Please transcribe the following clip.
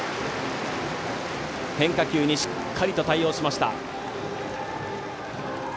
変化球にしっかりと対応しました。